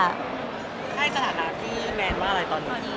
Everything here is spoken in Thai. ให้สถานะที่แมนว่าอะไรตอนนี้